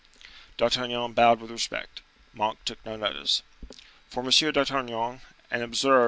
D'Artagnan bowed with respect; Monk took no notice. "For M. d'Artagnan—and observe, M.